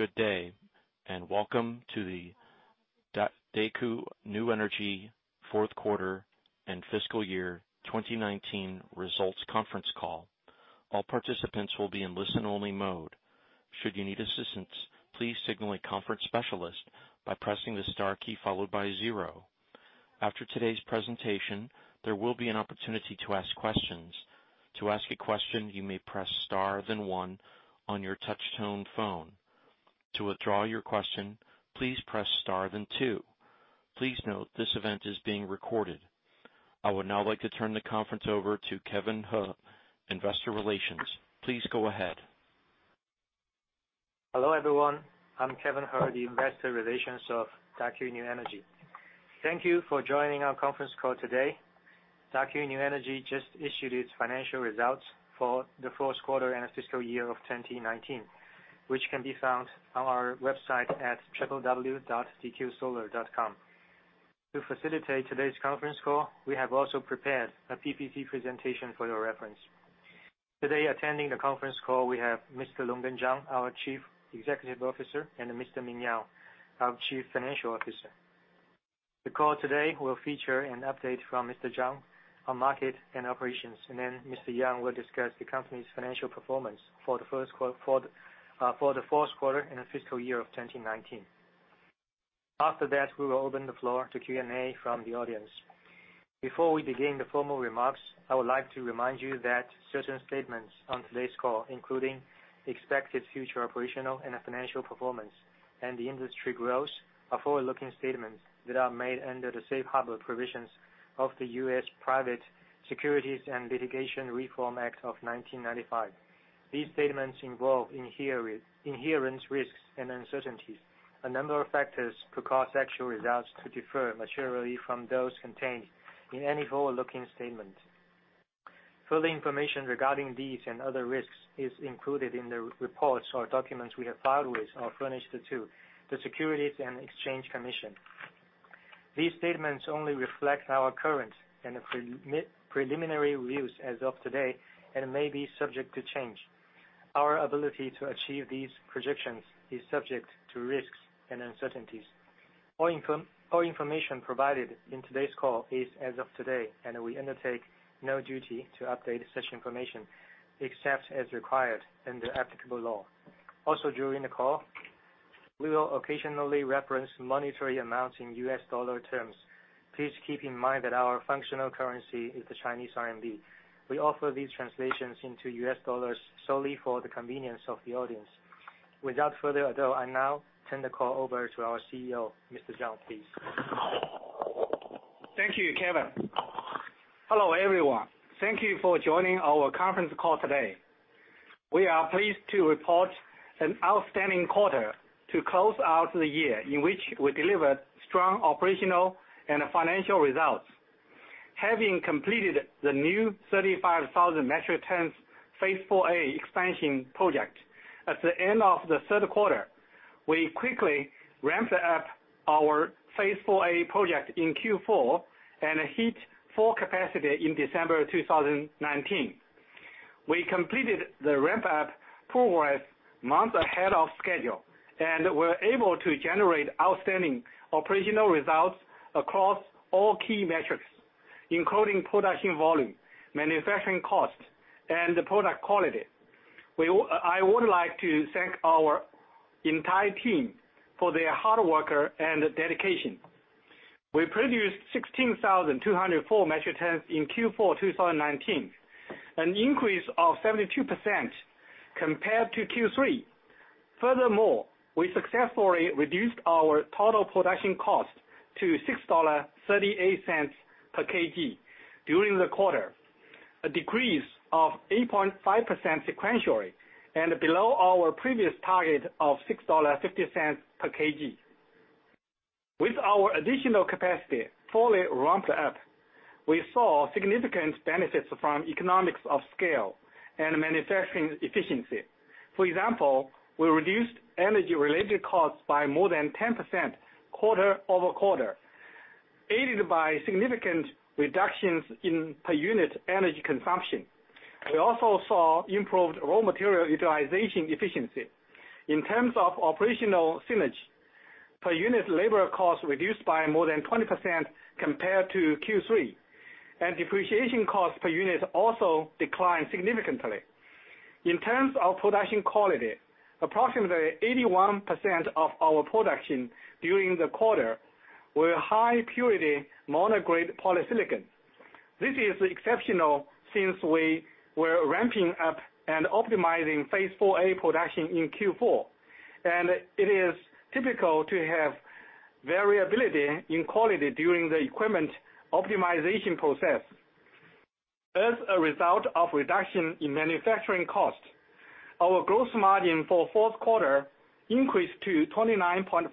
Good day, welcome to the Daqo New Energy fourth quarter and fiscal year 2019 results conference call. All participants will be in listen-only mode. Should you need assistance, please signal a conference specialist by pressing the star key followed by zero. After today's presentation, there will be an opportunity to ask questions. To ask a question, you may press star then one on your touch-tone phone. To withdraw your question, please press star then two. Please note this event is being recorded. I would now like to turn the conference over to Kevin He, Investor Relations. Please go ahead. Hello, everyone. I'm Kevin He, the Investor Relations of Daqo New Energy. Thank you for joining our conference call today. Daqo New Energy just issued its financial results for the fourth quarter and fiscal year of 2019, which can be found on our website at www.dqsolar.com. To facilitate today's conference call, we have also prepared a PPT presentation for your reference. Today, attending the conference call we have Mr. Longgen Zhang, our Chief Executive Officer, and Mr. Ming Yang, our Chief Financial Officer. The call today will feature an update from Mr. Zhang on market and operations, and then Mr. Yang will discuss the company's financial performance for the fourth quarter in the fiscal year of 2019. After that, we will open the floor to Q&A from the audience. Before we begin the formal remarks, I would like to remind you that certain statements on today's call, including expected future operational and financial performance and industry growth, are forward-looking statements that are made under the safe harbor provisions of the U.S. Private Securities Litigation Reform Act of 1995. These statements involve inherent risks and uncertainties. A number of factors could cause actual results to differ materially from those contained in any forward-looking statement. Further information regarding these and other risks is included in the reports or documents we have filed with or furnished to the SEC. These statements only reflect our current and preliminary views as of today and may be subject to change. Our ability to achieve these projections is subject to risks and uncertainties. All information provided in today's call is as of today, and we undertake no duty to update such information except as required under applicable law. Also, during the call, we will occasionally reference monetary amounts in U.S. dollar terms. Please keep in mind that our functional currency is the Chinese RMB. We offer these translations into U.S. dollars solely for the convenience of the audience. Without further ado, I now turn the call over to our CEO, Mr. Zhang, please. Thank you, Kevin. Hello, everyone. Thank you for joining our conference call today. We are pleased to report an outstanding quarter to close out the year in which we delivered strong operational and financial results. Having completed the new 35,000 metric tons phase IV-A expansion project at the end of the 3rd quarter, we quickly ramped up our phase IV-A project in Q4 and hit full capacity in December 2019. We completed the ramp-up progress months ahead of schedule, and we're able to generate outstanding operational results across all key metrics, including production volume, manufacturing cost, and the product quality. I would like to thank our entire team for their hard work and dedication. We produced 16,204 metric tons in Q4 2019, an increase of 72% compared to Q3. Furthermore, we successfully reduced our total production cost to CNY 6.38 per kg during the quarter, a decrease of 8.5% sequentially and below our previous target of CNY 6.50 per kg. With our additional capacity fully ramped up, we saw significant benefits from economics of scale and manufacturing efficiency. For example, we reduced energy-related costs by more than 10% quarter-over-quarter, aided by significant reductions in per unit energy consumption. We also saw improved raw material utilization efficiency. In terms of operational synergy, per unit labor costs reduced by more than 20% compared to Q3, and depreciation costs per unit also declined significantly. In terms of production quality, approximately 81% of our production during the quarter were high purity mono-grade polysilicon. This is exceptional since we were ramping up and optimizing phase IV-A production in Q4. It is typical to have variability in quality during the equipment optimization process. As a result of a reduction in manufacturing cost, our gross margin for the fourth quarter increased to 29.5%,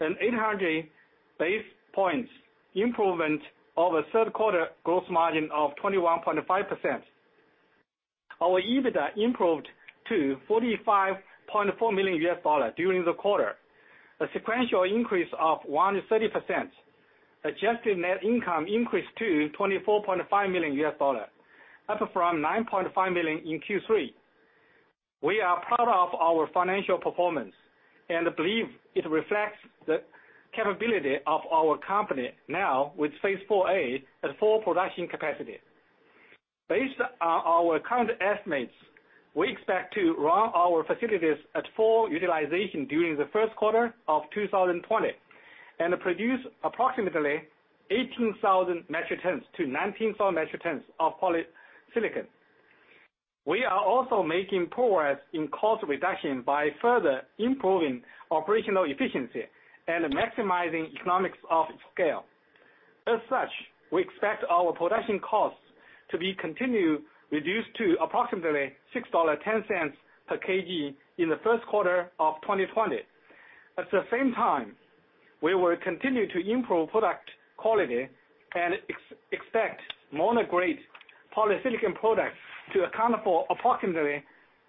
an 800 basis points improvement over the third quarter gross margin of 21.5%. Our EBITDA improved to $45.4 million during the quarter, a sequential increase of 130%. Adjusted net income increased to $24.5 million, up from $9.5 million in Q3. We are proud of our financial performance and believe it reflects the capability of our company now, with phase IV-A at full production capacity. Based on our current estimates, we expect to run our facilities at full utilization during the first quarter of 2020 and produce approximately 18,000 metric tons to 19,000 metric tons of polysilicon. We are also making progress in cost reduction by further improving operational efficiency and maximizing economics of scale. We expect our production costs to be continue reduced to approximately CNY 6.10 per kg in the first quarter of 2020. At the same time, we will continue to improve product quality and expect mono-grade polysilicon products to account for approximately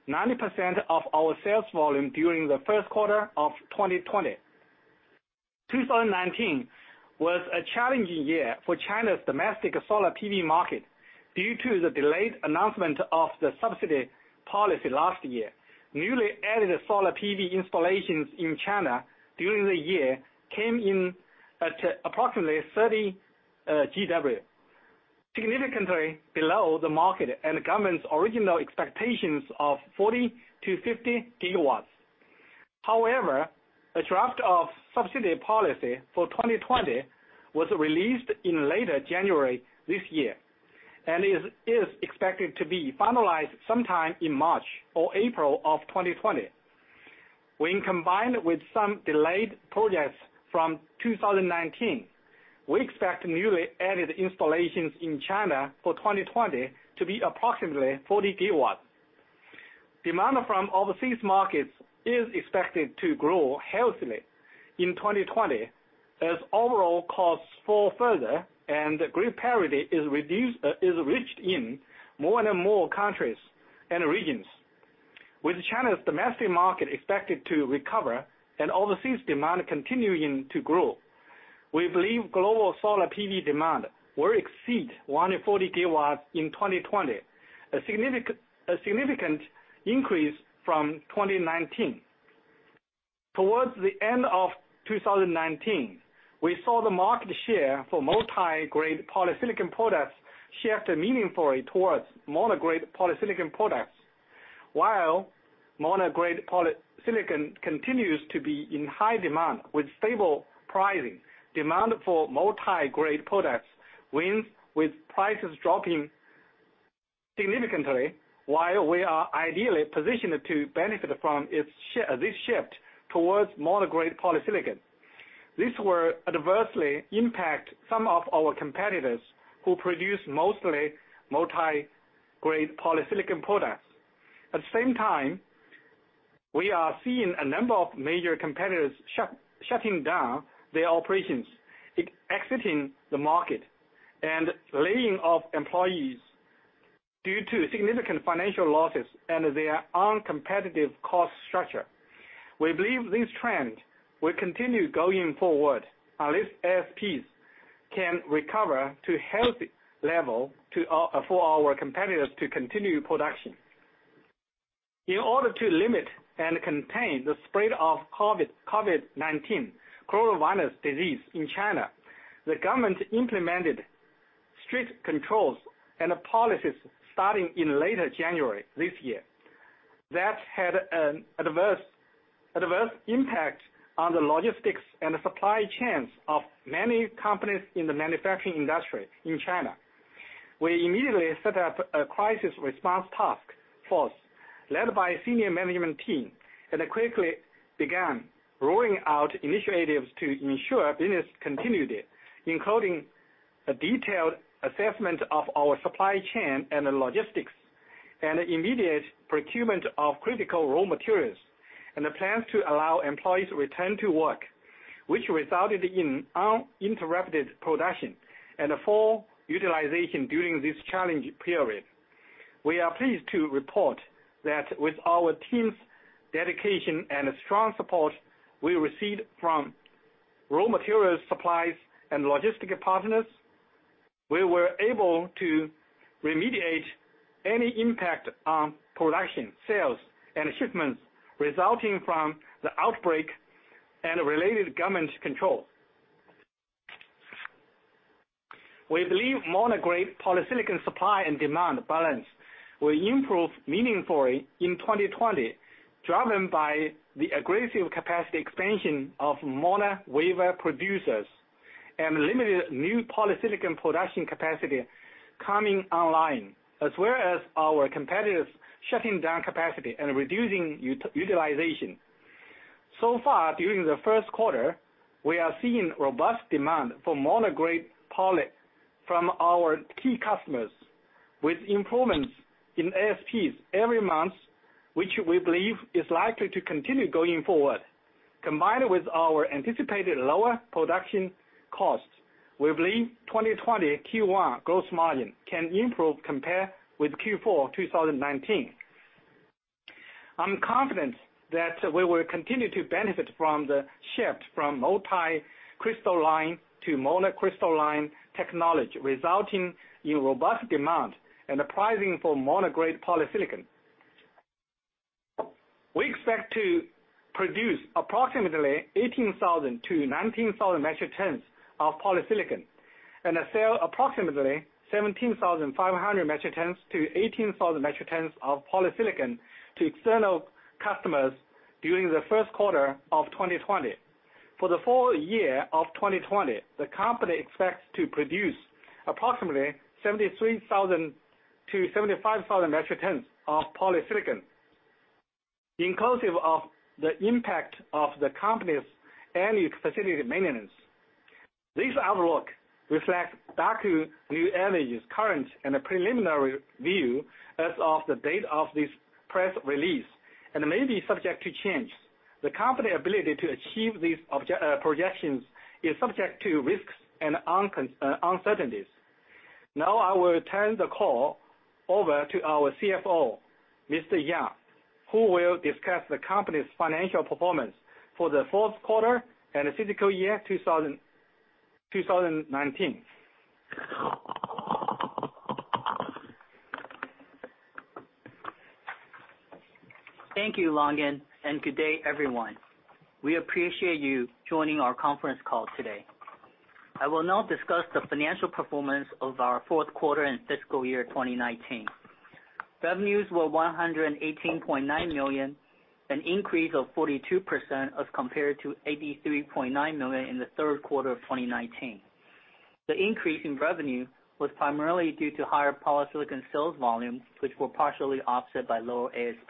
90% of our sales volume during the first quarter of 2020. 2019 was a challenging year for China's domestic solar PV market due to the delayed announcement of the subsidy policy last year. Newly added solar PV installations in China during the year came in at approximately 30 GW, significantly below the market and the government's original expectations of 40-50 GW. However, a draft of subsidy policy for 2020 was released in late January this year, and is expected to be finalized sometime in March or April of 2020. When combined with some delayed projects from 2019, we expect newly added installations in China for 2020 to be approximately 40 GW. Demand from overseas markets is expected to grow healthily in 2020 as overall costs fall further and grid parity is reached in more and more countries and regions. With China's domestic market expected to recover and overseas demand continuing to grow, we believe global solar PV demand will exceed 140 GW in 2020, a significant increase from 2019. Towards the end of 2019, we saw the market share for multi-grade polysilicon products shift meaningfully towards mono-grade polysilicon products. While mono-grade polysilicon continues to be in high demand with stable pricing, demand for multi-grade products wins, with prices dropping significantly, while we are ideally positioned to benefit from this shift towards mono-grade polysilicon. This will adversely impact some of our competitors who produce mostly multi-grade polysilicon products. At the same time, we are seeing a number of major competitors shutting down their operations, exiting the market, and laying off employees due to significant financial losses and their uncompetitive cost structure. We believe this trend will continue going forward unless ASPs can recover to a healthy level for our competitors to continue production. In order to limit and contain the spread of COVID-19 coronavirus disease in China, the government implemented strict controls and policies starting in later January this year. That had an adverse impact on the logistics and supply chains of many companies in the manufacturing industry in China. We immediately set up a crisis response task force led by senior management team, and quickly began rolling out initiatives to ensure business continued, including a detailed assessment of our supply chain and logistics, and immediate procurement of critical raw materials, and plans to allow employees to return to work, which resulted in uninterrupted production and full utilization during this challenging period. We are pleased to report that with our team's dedication and strong support we received from raw material suppliers and logistic partners; we were able to remediate any impact on production, sales, and shipments resulting from the outbreak and related government control. We believe mono-grade polysilicon supply and demand balance will improve meaningfully in 2020, driven by the aggressive capacity expansion of mono wafer producers and limited new polysilicon production capacity coming online, as well as our competitors shutting down capacity and reducing utilization. During the first quarter, we are seeing robust demand for mono-grade poly from our key customers with improvements in ASPs every month, which we believe is likely to continue going forward. Combined with our anticipated lower production costs, we believe the 2020 Q1 gross margin can improve compared with Q4 2019. I'm confident that we will continue to benefit from the shift from multi-crystalline to monocrystalline technology, resulting in robust demand and the pricing for mono-grade polysilicon. We expect to produce approximately 18,000 to 19,000 metric tons of polysilicon and sell approximately 17,500 metric tons to 18,000 metric tons of polysilicon to external customers during the first quarter of 2020. For the full-year of 2020, the company expects to produce approximately 73,000 to 75,000 metric tons of polysilicon, inclusive of the impact of the company's annual facility maintenance. This outlook reflects Daqo New Energy's current and preliminary view as of the date of this press release and may be subject to change. The company's ability to achieve these projections is subject to risks and uncertainties. Now I will turn the call over to our CFO, Mr. Yang, who will discuss the company's financial performance for the fourth quarter and fiscal year 2019. Thank you, Longgen, and good day, everyone. We appreciate you joining our conference call today. I will now discuss the financial performance of our fourth quarter and fiscal year 2019. Revenues were 118.9 million, an increase of 42% as compared to 83.9 million in the third quarter of 2019. The increase in revenue was primarily due to higher polysilicon sales volumes, which were partially offset by lower ASP.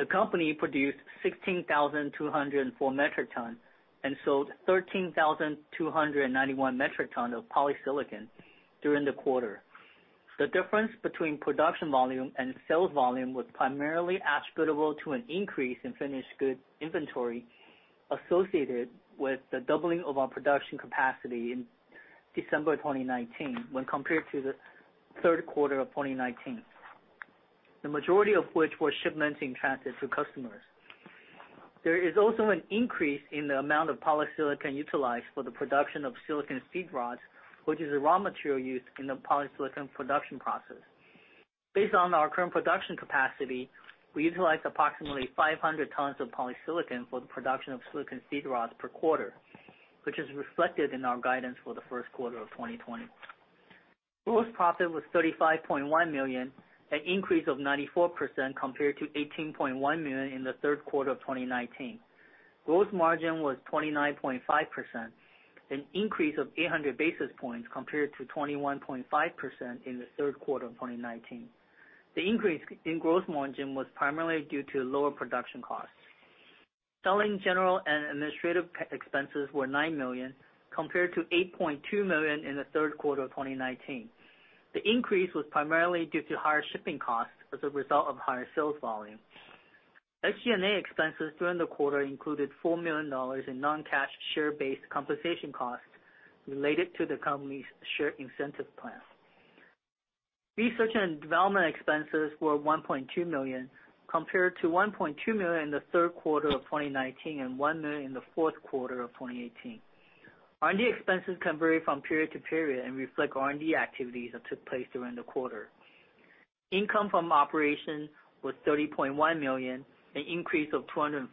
The company produced 16,204 metric tons and sold 13,291 metric tons of polysilicon during the quarter. The difference between production volume and sales volume was primarily attributable to an increase in finished goods inventory associated with the doubling of our production capacity in December 2019, when compared to the third quarter of 2019. The majority of which were shipments in transit to customers. There is also an increase in the amount of polysilicon utilized for the production of silicon seed rods, which is a raw material used in the polysilicon production process. Based on our current production capacity, we utilize approximately 500 tons of polysilicon for the production of silicon seed rods per quarter, which is reflected in our guidance for the first quarter of 2020. Gross profit was 35.1 million, an increase of 94% compared to 18.1 million in the third quarter of 2019. Gross margin was 29.5%, an increase of 800 basis points compared to 21.5% in the third quarter of 2019. The increase in gross margin was primarily due to lower production costs. Selling, general, and administrative expenses were 9 million, compared to 8.2 million in the third quarter of 2019. The increase was primarily due to higher shipping costs as a result of higher sales volume. SG&A expenses during the quarter included $4 million in non-cash share-based compensation costs related to the company's share incentive plan. Research and development expenses were 1.2 million, compared to 1.2 million in the third quarter of 2019 and 1 million in the fourth quarter of 2018. R&D expenses can vary from period to period and reflect R&D activities that took place during the quarter. Income from operations was 30.1 million, an increase of 240%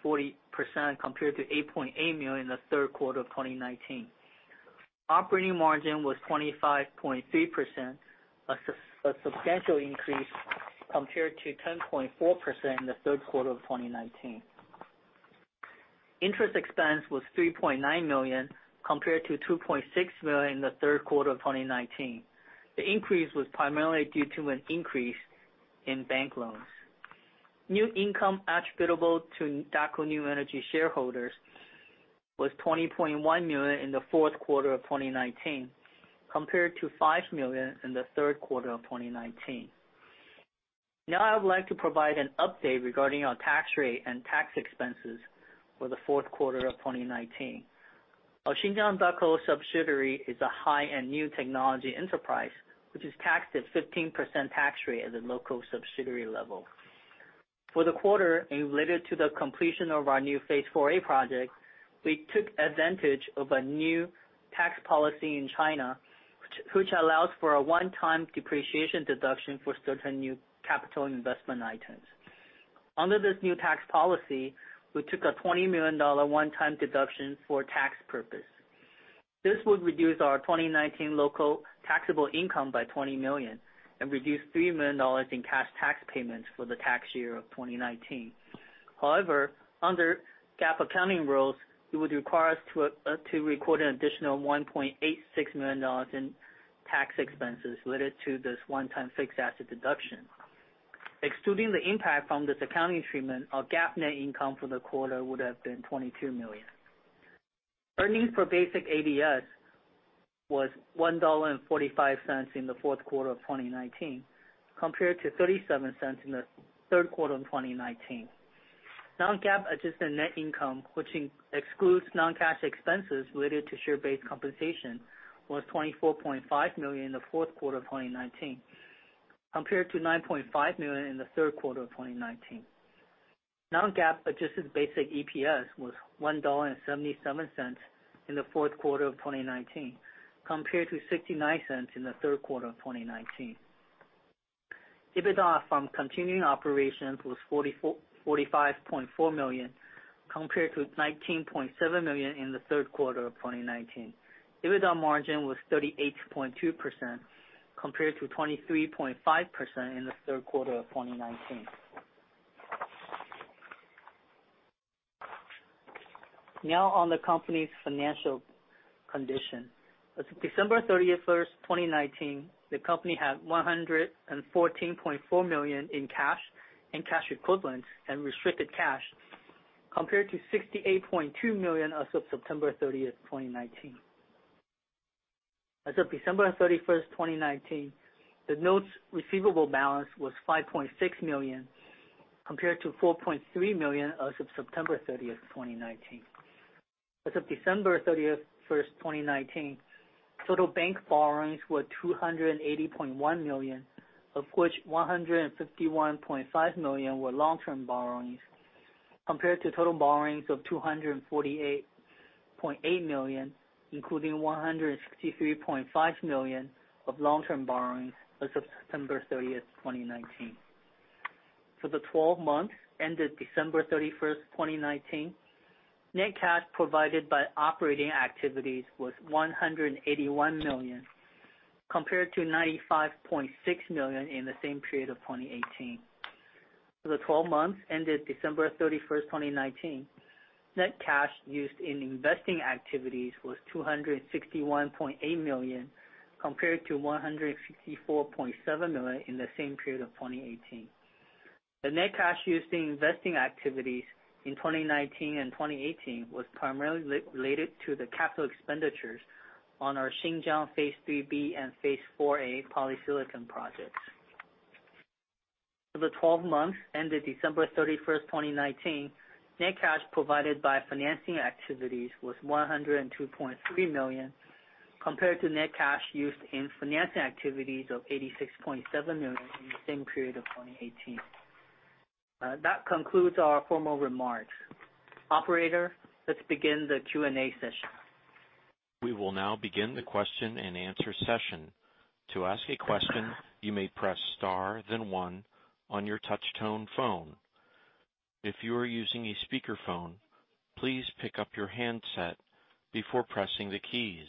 compared to 8.8 million in the third quarter of 2019. Operating margin was 25.3%, a substantial increase compared to 10.4% in the third quarter of 2019. Interest expense was 3.9 million, compared to 2.6 million in the third quarter of 2019. The increase was primarily due to an increase in bank loans. New income attributable to Daqo New Energy shareholders was 20.1 million in the fourth quarter of 2019, compared to 5 million in the third quarter of 2019. Now, I would like to provide an update regarding our tax rate and tax expenses for the fourth quarter of 2019. Our Xinjiang Daqo subsidiary is a high-end new technology enterprise, which is taxed at 15% tax rate at the local subsidiary level. For the quarter related to the completion of our new phase IV-A project, we took advantage of a new tax policy in China, which allows for a one-time depreciation deduction for certain new capital investment items. Under this new tax policy, we took a $20 million one-time deduction for tax purposes. This would reduce our 2019 local taxable income by $20 million and reduce $3 million in cash tax payments for the tax year of 2019. However, under GAAP accounting rules, it would require us to record an additional $1.86 million in tax expenses related to this one-time fixed asset deduction. Excluding the impact from this accounting treatment, our GAAP net income for the quarter would have been $22 million. Earnings per basic ADS were $1.45 In the fourth quarter of 2019, compared to $0.37 in the third quarter of 2019. Non-GAAP adjusted net income, which excludes non-cash expenses related to share-based compensation, was 24.5 million in the fourth quarter of 2019 compared to 9.5 million in the third quarter of 2019. Non-GAAP adjusted basic EPS was $1.77 in the fourth quarter of 2019 compared to $0.69 in the third quarter of 2019. EBITDA from continuing operations was 45.4 million compared to 19.7 million in the third quarter of 2019. EBITDA margin was 38.2% compared to 23.5% in the third quarter of 2019. On the company's financial condition. As of December 31st, 2019, the company had 114.4 million in cash and cash equivalents and restricted cash compared to 68.2 million as of September 30th, 2019. As of December 31st, 2019, the notes receivable balance was 5.6 million compared to 4.3 million as of September 30th, 2019. As of December 31st, 2019, total bank borrowings were 280.1 million, of which 151.5 million were long-term borrowings compared to total borrowings of 248.8 million, including 163.5 million of long-term borrowings as of September 30th, 2019. For the 12 months ended December 31st, 2019, net cash provided by operating activities was 181 million compared to 95.6 million in the same period of 2018. For the 12 months ended December 31st, 2019, net cash used in investing activities was 261.8 million compared to 164.7 million in the same period of 2018. The net cash used in investing activities in 2019 and 2018 was primarily related to the capital expenditures on our Xinjiang phase III-B and phase IV-A polysilicon projects. For the 12 months ended December 31st, 2019, net cash provided by financing activities was 102.3 million compared to net cash used in financing activities of 86.7 million in the same period of 2018. That concludes our formal remarks. Operator, let's begin the Q&A session. We will now begin the question-and-answer session. To ask a question, you may press star then one on your touchtone phone. If you are using a speakerphone, please pick up your handset before pressing the keys.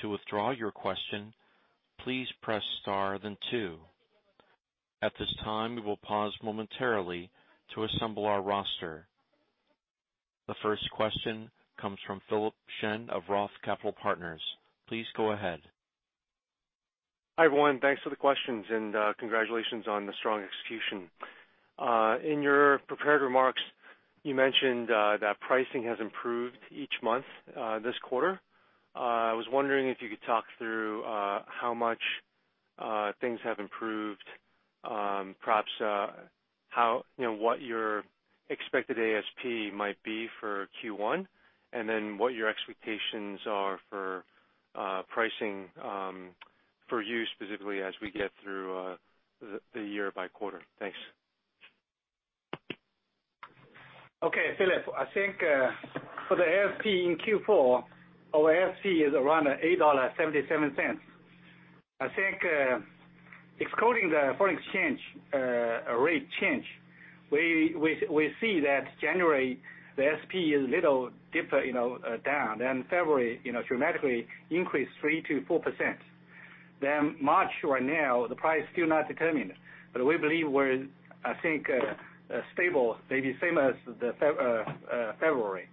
To withdraw your question, please press star then two. At this time, we will pause momentarily to assemble our roster. The first question comes from Philip Shen of Roth Capital Partners. Please go ahead. Hi, everyone. Thanks for the questions, and congratulations on the strong execution. In your prepared remarks, you mentioned that pricing has improved each month this quarter. I was wondering if you could talk through how much things have improved, perhaps, how you know, what your expected ASP might be for Q1, and then what your expectations are for pricing for you specifically as we get through the year by quarter. Thanks. Okay, Philip. I think, for the ASP in Q4, our ASP is around CNY 8.77. I think, excluding the foreign exchange rate change, we see that January, the ASP is a little different, you know, down. February, you know, dramatically increased 3%-4%. March right now, the price still not determined, but we believe we're, I think, stable, maybe same as the Feb February.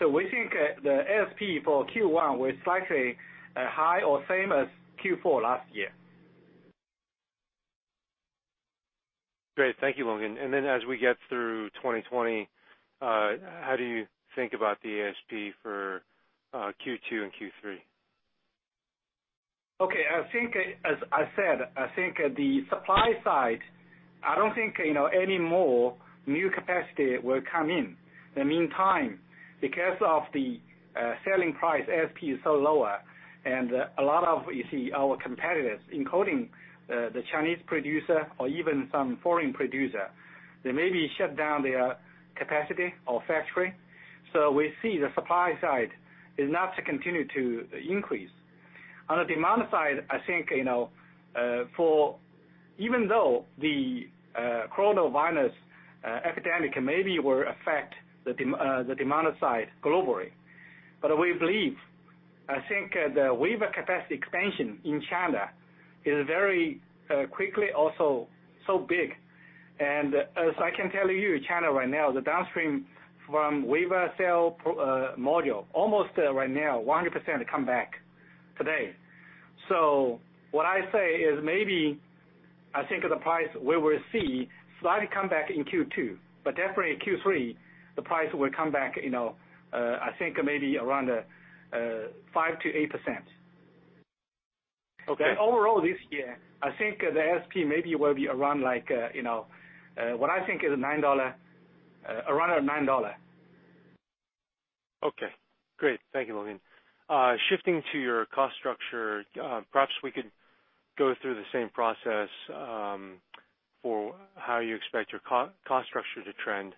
We think, the ASP for Q1 was slightly high or same as Q4 last year. Great. Thank you, Longgen Zhang. As we get through 2020, how do you think about the ASP for Q2 and Q3? Okay. I think, as I said, I think at the supply side, I don't think, you know, any more new capacity will come in. In the meantime, because of the selling price, ASP is so lower, and a lot of, you see our competitors, including the Chinese producer or even some foreign producer, they maybe shut down their capacity or factory. We see the supply side is not to continue to increase. On the demand side, I think, you know, for even though the COVID-19 epidemic maybe will affect the demand side globally, but we believe, I think, the wafer capacity expansion in China is very quickly also so big. As I can tell you, China right now, the downstream from wafer cell, module, almost, right now, 100% come back today. What I say is maybe I think the price we will see slightly come back in Q2, but definitely Q3, the price will come back, you know, I think maybe around 5%-8%. Okay. Overall, this year, I think the ASP maybe will be around like, you know, what I think is around $9. Okay, great. Thank you, Longgen. Shifting to your cost structure, perhaps we could go through the same process for how you expect your cost structure to trend.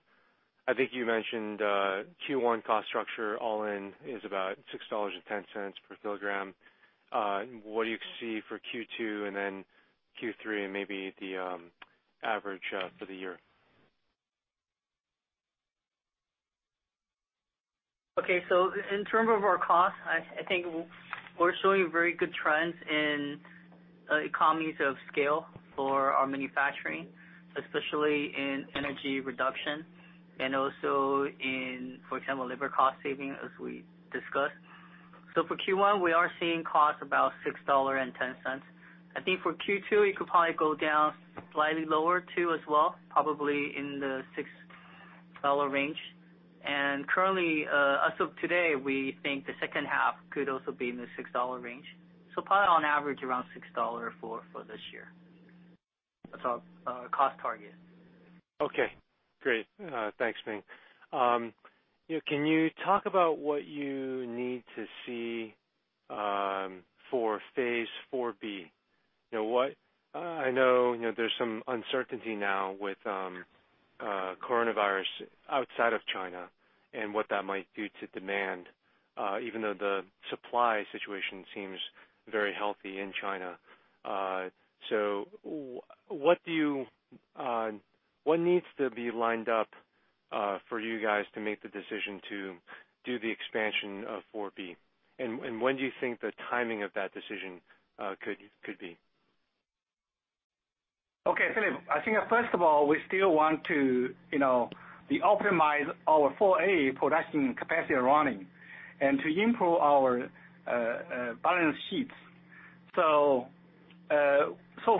I think you mentioned Q1 cost structure all-in is about CNY 6.10 per kg. What do you see for Q2 and then Q3 and maybe the average for the year? Okay. In terms of our cost, I think we're showing very good trends in economies of scale for our manufacturing, especially in energy reduction and also in, for example, labor cost savings, as we discussed. For Q1, we are seeing costs about $6.10. I think for Q2, it could probably go down slightly lower too as well, probably in the $6 range. Currently, as of today, we think the second half could also be in the $6 range. Probably on average, around $6 for this year as our cost target. Okay, great. Thanks, Ming. You know, can you talk about what you need to see for phase IV-B? I know, you know, there's some uncertainty now with COVID-19 outside of China and what that might do to demand, even though the supply situation seems very healthy in China. What do you what needs to be lined up for you guys to make the decision to do the expansion of IV-B? And when do you think the timing of that decision could be? Okay, Philip. I think first of all, we still want to, you know, to optimize our IV-A production capacity running and to improve our balance sheets. So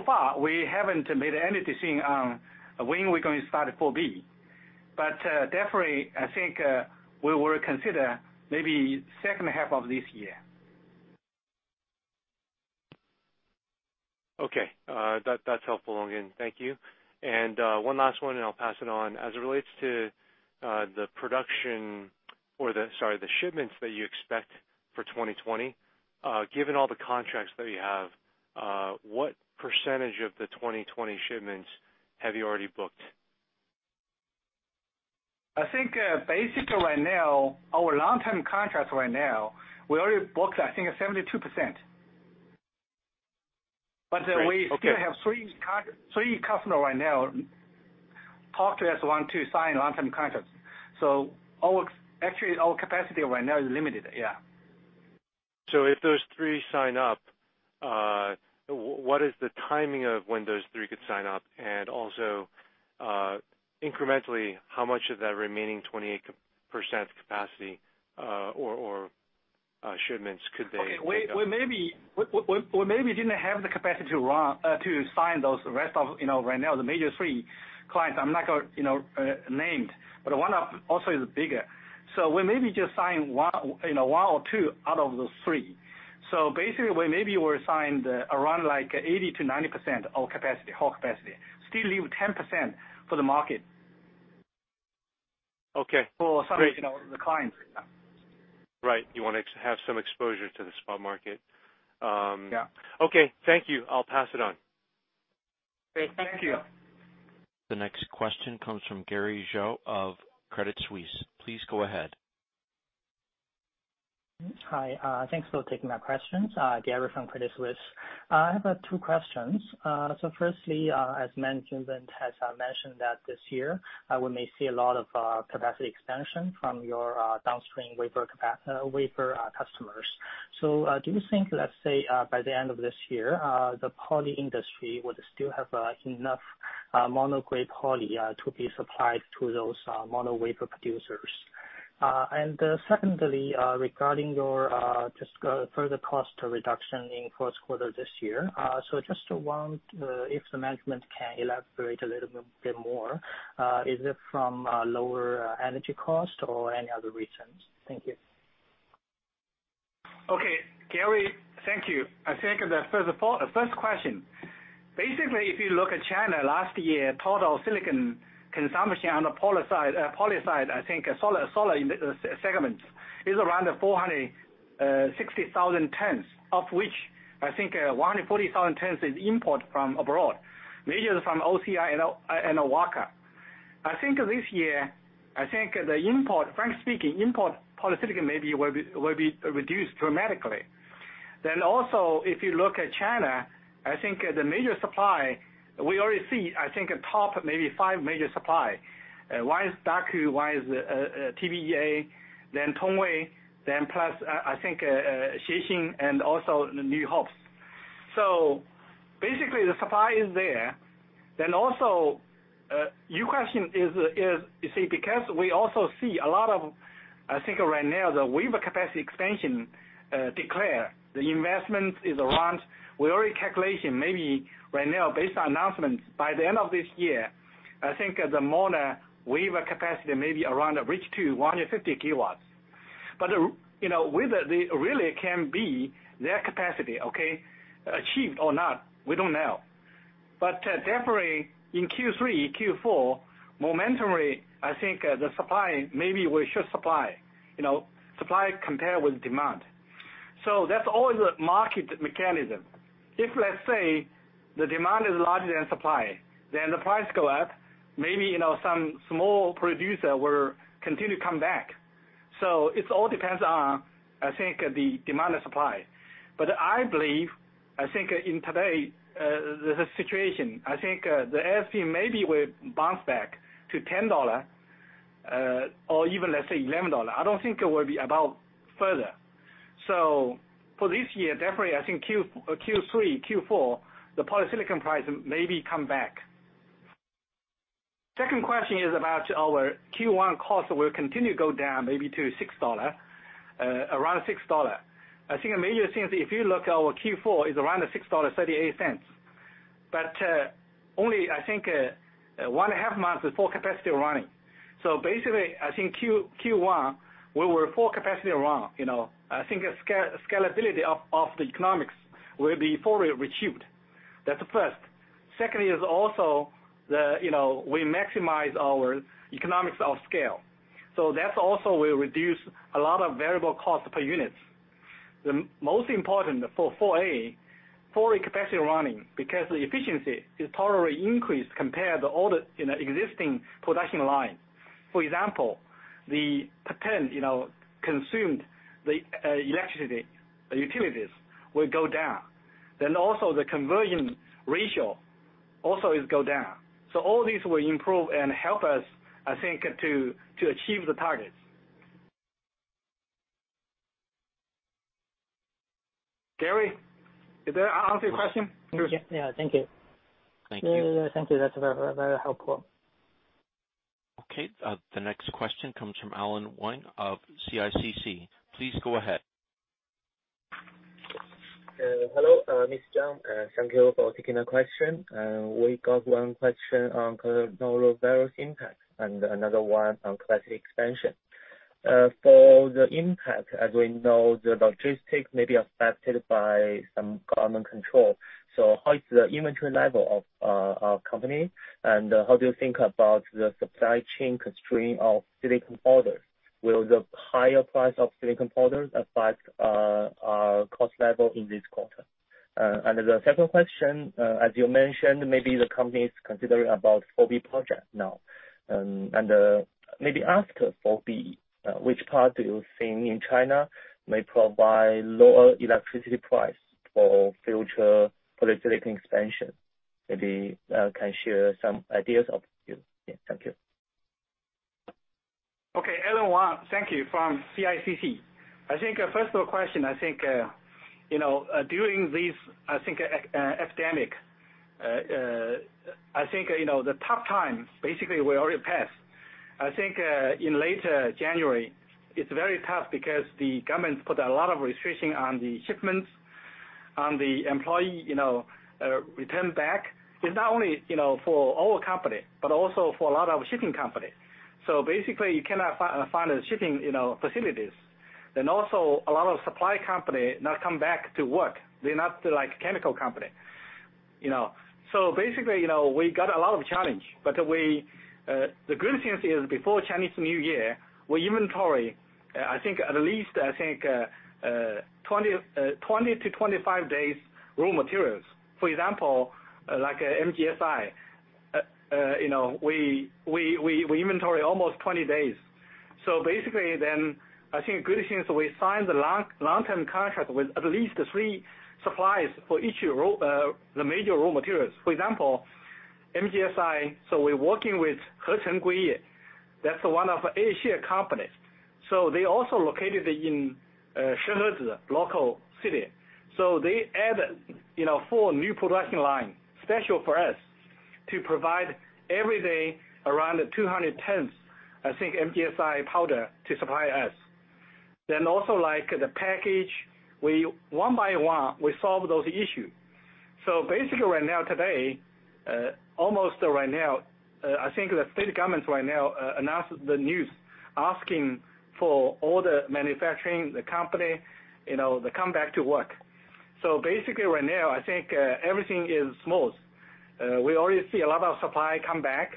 far, we haven't made any decision on when we're gonna start IV-B. Definitely, I think we will consider maybe the second half of this year. Okay. That's helpful, Longgen. Thank you. One last one, and I'll pass it on. As it relates to the shipments that you expect for 2020, given all the contracts that you have, what % of the 2020 shipments have you already booked? I think, basically right now, our long-term contracts, we already booked I think 72%. We still have three customer right now talk to us, want to sign long-term contracts. Our Actually our capacity right now is limited. If those three sign up, what is the timing of when those three could sign up? Also, incrementally, how much of that remaining 28% capacity or shipments could they take up? Okay. We maybe didn't have the capacity to run, to sign those rest of, you know, right now the major three clients. I'm not, you know, named, one of also is bigger. We maybe just sign one, you know, one or two out of those three. Basically, we maybe signed around like 80%-90% of capacity, whole capacity. Still leave 10% for the market. Okay. Great. For signing out the clients. Yeah. Right. You wanna have some exposure to the spot market. Yeah. Okay. Thank you. I'll pass it on. Great. Thank you. The next question comes from Gary Zhou of Credit Suisse. Please go ahead. Hi, thanks for taking my questions. Gary from Credit Suisse. I have two questions. Firstly, as management has mentioned that, this year, we may see a lot of capacity expansion from your downstream wafer customers. Do you think, let's say, by the end of this year, the poly industry would still have enough mono-grade poly to be supplied to those mono wafer producers? Secondly, regarding your just further cost reduction in first quarter this year, just want if the management can elaborate a little bit more, is it from lower energy cost or any other reasons? Thank you. Okay. Gary, thank you. I think the first question, basically, if you look at China last year, total silicon consumption on the poly side, poly side, I think solar segment is around 460,000 tons, of which I think 140,000 tons is import from abroad, major from OCI and Wacker. I think this year, I think the import, frank speaking, import polysilicon maybe will be reduced dramatically. Also, if you look at China, I think the major supply we already see, I think top maybe five major supply. One is Daqo, one is TBEA, Tongwei, plus Xinte and also New Hope. Basically, the supply is there. Also, your question is, you see, because we also see a lot of, I think right now, the wafer capacity expansion, declare the investment is around We already calculation maybe right now based on announcements, by the end of this year, I think the mono wafer capacity may be around reach to 150 kW. You know, whether they really can be their capacity achieved or not, we don't know. Definitely in Q3, Q4, momentarily, I think, the supply maybe we should supply, you know, supply compare with demand. That's all the market mechanism. If let's say, the demand is larger than supply, the price go up, maybe, you know, some small producer will continue to come back. It all depends on, I think, the demand and supply. I believe, I think in today, the situation, the ASP maybe will bounce back to $10 or even let's say $11. I don't think it will be above further. For this year, definitely I think Q3, Q4, the polysilicon price maybe come back. Second question is about our Q1 cost will continue to go down maybe to $6, around $6. I think the major things, if you look our Q4 is around $6.38. Only I think, one and a half months with full capacity running. Basically, I think Q1, we were full capacity run, you know. I think scalability of the economics will be fully retrieved. That's first. Secondly is also the, you know, we maximize our economics of scale. That's also will reduce a lot of variable costs per units. The most important for IV-A capacity running, because the efficiency is totally increased compared to all the, you know, existing production line. For example, the potential, you know, consumed the electricity utilities will go down. Also the conversion ratio also is go down. All these will improve and help us, I think, to achieve the targets. Gary, did that answer your question? Yeah. Thank you. Thank you. Yeah, yeah. Thank you. That is very, very helpful. The next question comes from Allen Wang of CICC. Please go ahead. Hello, Mr. Zhang. Thank you for taking the question. We got one question on coronavirus impact and another one on capacity expansion. For the impact, as we know, the logistics may be affected by some government control. How is the inventory level of our company, and how do you think about the supply chain constraint of silicon products? Will the higher price of silicon products affect our cost level in this quarter? The second question, as you mentioned, maybe the company is considering about IV-B project now. Maybe after IV-B, which part do you think in China may provide lower electricity price for future polysilicon expansion? Maybe can share some ideas of you. Yeah. Thank you. Okay. Allen Wang, thank you, from CICC. I think, first of all question, I think, you know, during this, I think, epidemic, I think, you know, the tough times basically were already passed. I think, in later January, it's very tough because the government put a lot of restriction on the shipments, on the employee, you know, return back. It's not only, you know, for our company, but also for a lot of shipping company. Basically, you cannot find the shipping, you know, facilities. Also a lot of supply company not come back to work. They're not like chemical company, you know. Basically, you know, we got a lot of challenge. We, the good thing is before Chinese New Year, we inventory, I think at least 20 to 25 days raw materials. For example, like MGSI, you know, we inventory almost 20 days. I think good thing is we signed the long-term contract with at least three suppliers for each raw, the major raw materials. For example, MGSI, we're working with. That's one of A-share companies. They also located in Shenzhen. They add, you know, four new production line special for us to provide every day around 200 tons MGSI powder to supply us. Also, like the package, we one by one, we solve those issue. Basically, right now today, almost right now, I think the state government right now, announced the news asking for all the manufacturing, the company, you know, to come back to work. Basically, right now, I think, everything is smooth. We already see a lot of supply come back.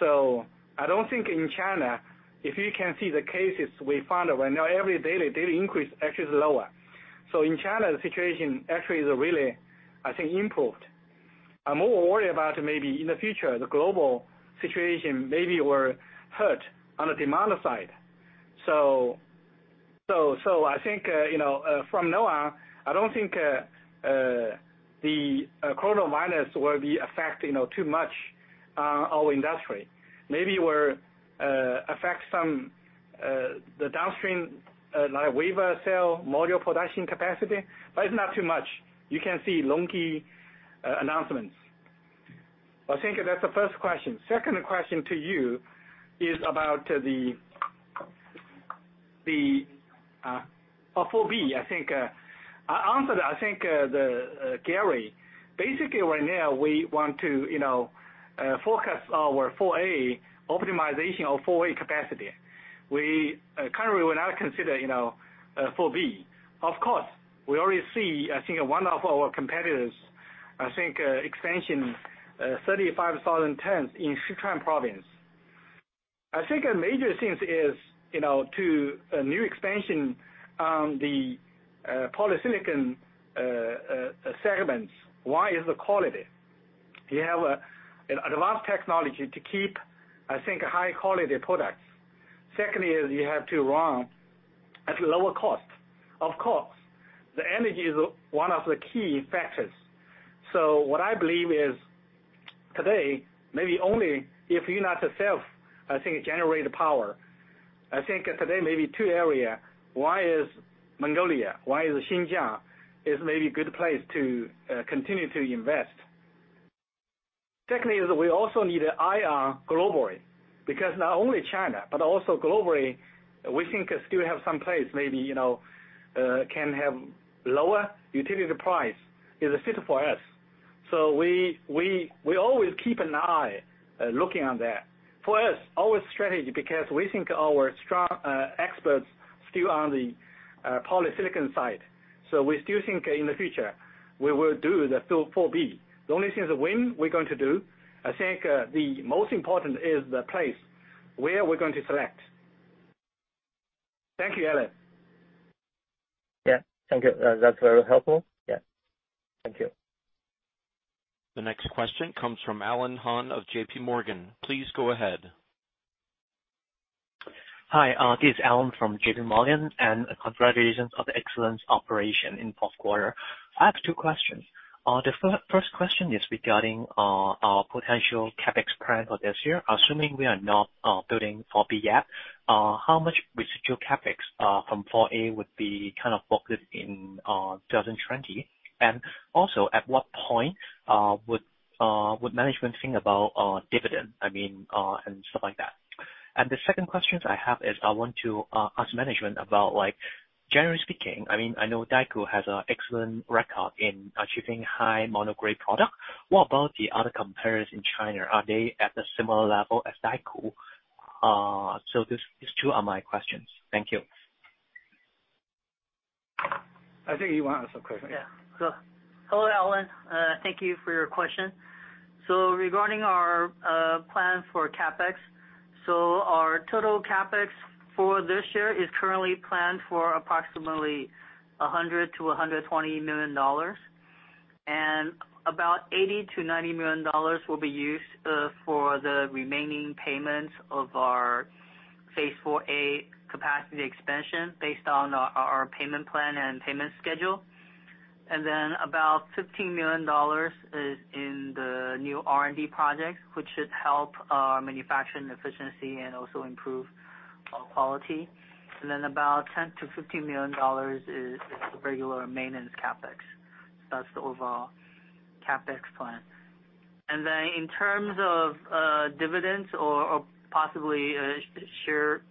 I don't think in China, if you can see the cases we found right now, every daily increase actually is lower. In China, the situation actually is really, I think, improved. I'm more worried about maybe in the future, the global situation maybe will hurt on the demand side. I think, you know, from now on, I don't think the coronavirus will be affecting, you know, too much, our industry. Maybe will affect some the downstream, like wafer, cell, module production capacity, but it's not too much. You can see LONGi announcements. I think that's the first question. Second question to you is about the phase IV-B, I think I answer that, I think, Gary. Basically, right now we want to, you know, focus our phase IV-A optimization of phase IV-A capacity. We are currently we're not considering, you know, phase IV-B. Of course, we already see, I think one of our competitors, I think, expansion 35,000 tons in Sichuan Province. I think a major thing is, you know, to a new expansion on the polysilicon segments. One is the quality. You have an advanced technology to keep, I think, high-quality products. Secondly is you have to run at lower cost. Of course, the energy is one of the key factors. What I believe is today, maybe only if you're not a self, generate power. Today maybe two area. One is Mongolia, one is Xinjiang, is maybe good place to continue to invest. Secondly is we also need IR globally, because not only China, but also globally, we think still have some place maybe, you know, can have lower utility price is a fit for us. We always keep an eye looking on that. For us, our strategy because we think our strong experts still are on the polysilicon side. We still think in the future, we will do the phase IV-B. The only thing is when we're going to do, the most important is the place where we're going to select. Thank you, Alan. Yeah. Thank you. That's very helpful. Yeah. Thank you. The next question comes from Alan Hon of JPMorgan. Please go ahead. Hi. This is Alan from JPMorgan, congratulations on the excellent operation in 4th quarter. I have two questions. The first question is regarding our potential CapEx plan for this year. Assuming we are not building phase IV-B yet, how much residual CapEx from phase IV-A would be kind of focused in 2020? At what point would management think about dividend, I mean, and stuff like that? The second questions I have is I want to ask management about like generally speaking, I mean, I know Daqo has a excellent record in achieving high mono-grade product. What about the other competitors in China? Are they at a similar level as Daqo? These two are my questions. Thank you. I think you wanna answer the question. Yeah. Hello, Alan. Thank you for your question. Regarding our plan for CapEx, our total CapEx for this year is currently planned for approximately $100 million-$120 million. About $80 million-$90 million will be used for the remaining payments of our phase IV-A capacity expansion based on our payment plan and payment schedule. About $15 million is in the new R&D project, which should help our manufacturing efficiency and also improve our quality. About $10 million-$15 million is the regular maintenance CapEx. That's the overall CapEx plan. In terms of dividends or possibly, share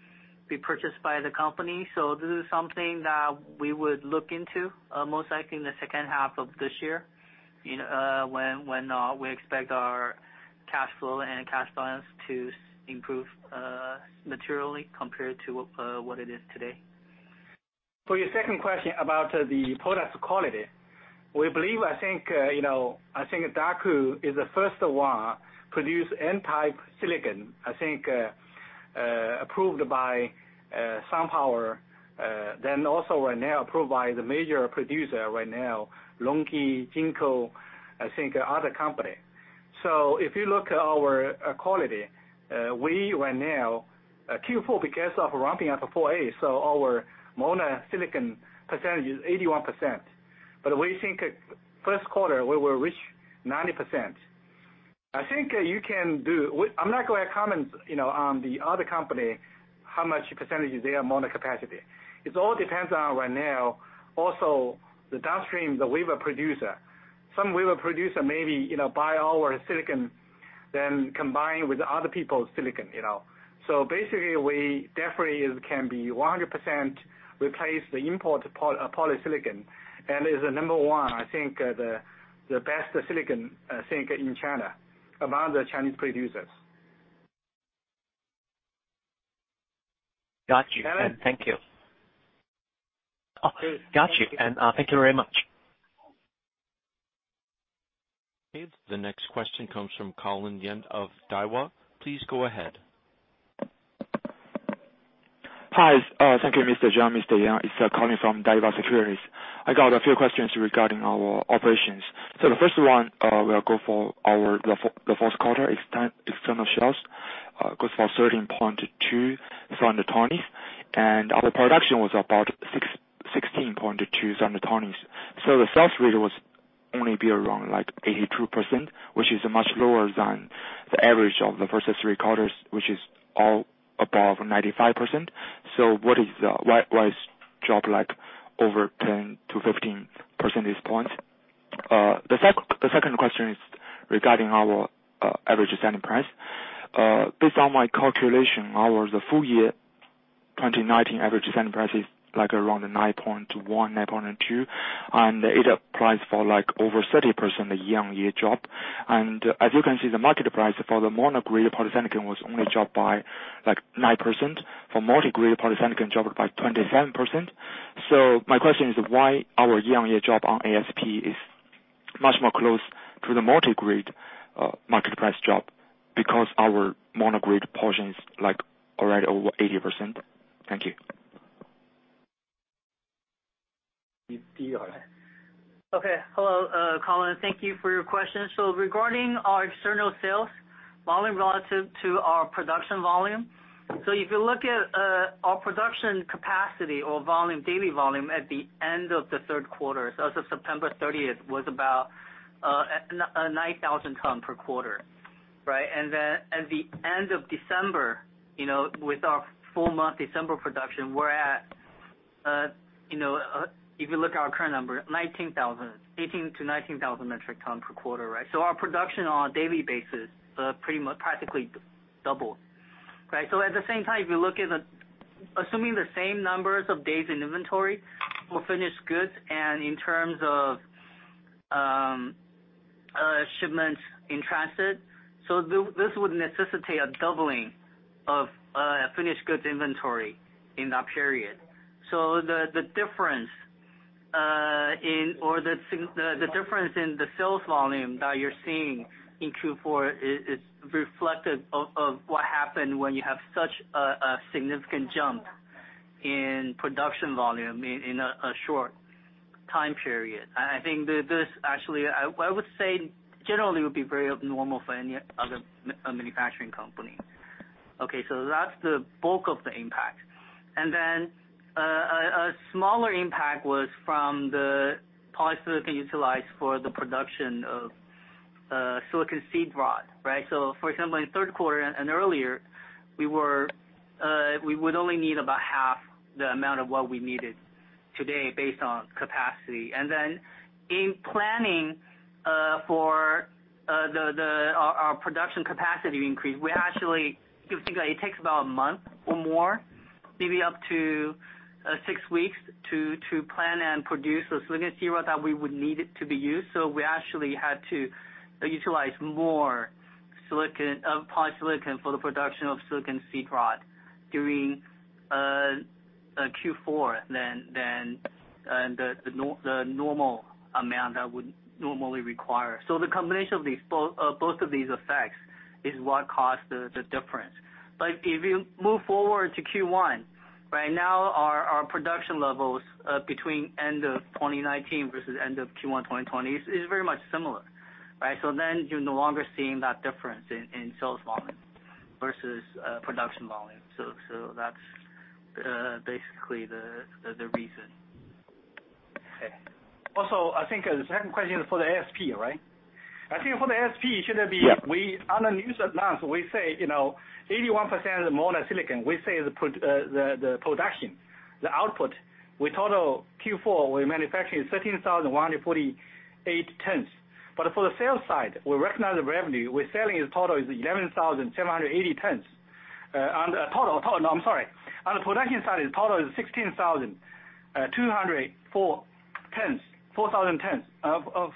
be purchased by the company, this is something that we would look into, most likely in the second half of this year, you know, when we expect our cash flow and cash balance to improve materially compared to what it is today. For your second question about the product quality, we believe, I think, you know, I think Daqo is the first one produce N-type silicon. I think approved by SunPower, then also right now approved by the major producer right now, LONGi, JinkoSolar, I think other company. If you look at our quality, we right now Q4 because of ramping up phase IV-A, our mono silicon percentage is 81%. We think first quarter we will reach 90%. I think you can do I'm not gonna comment, you know, on the other company, how much percentage is their mono capacity. It all depends on right now also the downstream, the wafer producer. Some wafer producer, maybe, you know, buy our silicon then combine with other people's silicon, you know. Basically, we definitely can be 100% replace the import polysilicon, and it is the number one, I think, the best silicon, I think, in China, among the Chinese producers. Got you. Alan? Thank you. Great. Thank you. Got you, and, thank you very much. Okay. The next question comes from Colin Yang of Daiwa. Please go ahead. Hi. Thank you, Mr. Zhang, Mr. Yang. It's Colin from Daiwa Securities. I got a few questions regarding our operations. The first one will go for our the fourth quarter external sales, goes for 13.2 tonnes, and our production was about 16.2 tonnes. The sales rate was only be around like 82%, which is much lower than the average of the three quarters, which is all above 95%. What is the why it's dropped like over 10-15 percentage points? The second question is regarding our average selling price. Based on my calculation, the full-year 2019 average selling price is like around 9.1-9.2, and it applies for like over 30% a year-on-year drop. As you can see, the market price for the mono-grade polysilicon was only dropped by like 9%. For multi-grade polysilicon dropped by 27%. My question is why our year-on-year drop on ASP is much more close to the multi-grade market price drop because our mono-grade portion is like already over 80%. Thank you. Hello, Colin, thank you for your question. Regarding our external sales volume relative to our production volume. If you look at our production capacity or volume, daily volume at the end of the third quarter, as of September 30th, was about 9,000 tons per quarter, right? At the end of December, you know, with our full month December production, we're at, you know, if you look at our current number, 19,000, 18,000-19,000 metric tons per quarter, right? Our production on a daily basis practically doubled, right? At the same time, if you look at the assuming the same number of days in inventory for finished goods and in terms of shipments in transit, this would necessitate a doubling of finished goods inventory in that period. The difference in the sales volume that you're seeing in Q4 is reflective of what happened when you have such a significant jump in production volume in a short time period. I think this actually, I would say generally would be very abnormal for any other manufacturing company. Okay, that's the bulk of the impact. A smaller impact was from the polysilicon utilized for the production of silicon seed rod, right? For example, in third quarter and earlier, we were, we would only need about half the amount of what we needed today based on capacity. In planning for our production capacity increase, we actually If you think that it takes about a month or more, maybe up to six weeks to plan and produce the silicon seed rod that we would need it to be used. We actually had to utilize more polysilicon for the production of silicon seed rod during Q4 than the normal amount that would normally require. The combination of these both of these effects is what caused the difference. If you move forward to Q1, right now our production levels between end of 2019 versus end of Q1 2020 is very much similar. You're no longer seeing that difference in sales volume versus production volume. That's basically the reason. Okay. Also, I think the second question is for the ASP, right? Yeah. On the news release we say, you know, 81% is mono-silicon. We say the production, the output. We total Q4, we manufacture 13,148 tons. For the sales side, we recognize the revenue, we're selling is total is 11,780 tons. On the total, I'm sorry. On the production side, the total is 16,000, 204 tons, 4,000 tons. Of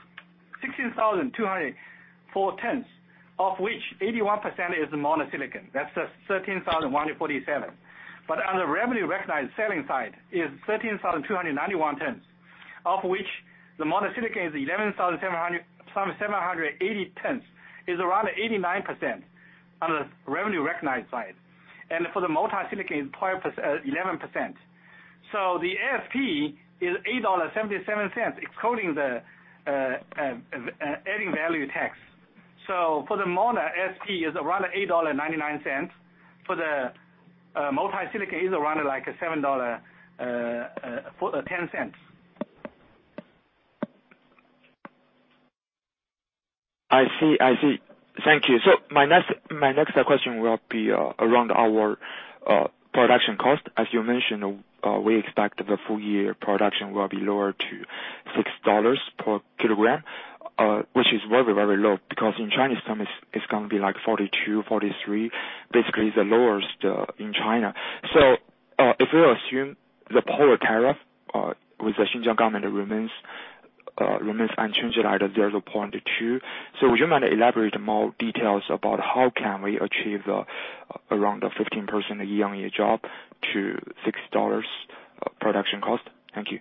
16,204 tons, of which 81% is mono-silicon. That's the 13,147. On the revenue recognized selling side is 13,291 tons, of which the mono-silicon is 11,780 tons, is around 89% on the revenue recognized side. For the multi-silicon is 11%. The ASP is $8.77, including the adding value tax. For the mono ASP is around $8.99. For the multi-silicon is around like $7.10. I see. I see. Thank you. My next question will be around our production cost. As you mentioned, we expect the full-year production will be lower to $6 per kg, which is very, very low because in Chinese term it's going to be like 42, 43, basically the lowest in China. If we assume the power tariff with the Xinjiang government remains unchanged at $0.2, would you mind elaborate more details about how can we achieve the around the 15% year-on-year drop to $6 production cost? Thank you.